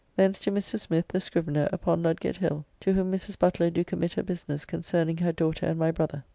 Thence to Mr. Smith, the scrivener, upon Ludgate Hill, to whom Mrs. Butler do committ her business concerning her daughter and my brother.